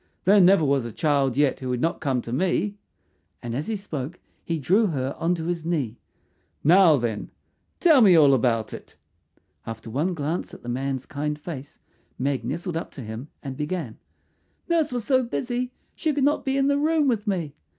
"There never was a child yet who would not come to me," and as he spoke he drew her on to his knee. "Now, then, tell me all about it." After one glance at the man's kind face Meg nestled up to him and began, "Nurse was so busy she could not be in the room with me.